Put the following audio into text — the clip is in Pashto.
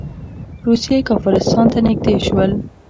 روسیې کافرستان ته نږدې شول.